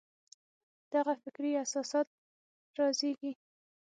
دغه فکري اساسات رازېږي.